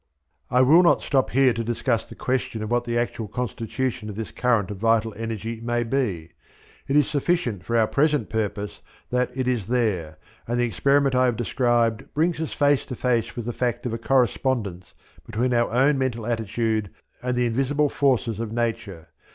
I will not here stop to discuss the question of what the actual constitution of this current of vital energy may be it is sufficient for our present purpose that it is there, and the experiment I have described brings us face to face with the fact of a correspondence between our own mental attitude and the invisible forces of nature.